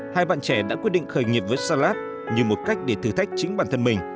hai bạn trẻ đã quyết định khởi nghiệp với salat như một cách để thử thách chính bản thân mình